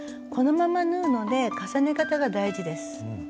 このまま縫うので重ね方が大事です。